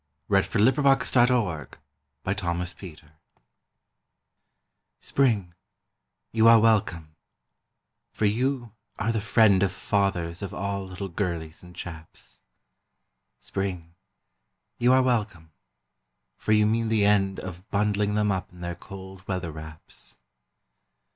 WELCOME TO SPRING Spring, you are welcome, for you are the friend of Fathers of all little girlies and chaps. Spring, you are welcome, for you mean the end of Bundling them up in their cold weather wraps.